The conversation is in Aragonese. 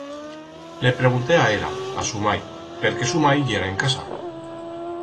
Le pregunté a era, a su mai, perque su mai yera en casa.